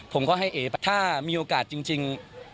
ผมก็ให้เอ๋ถ้ามีโอกาสจริง